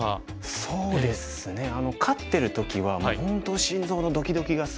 そうですね勝ってる時はもう本当心臓のドキドキがすごいですね。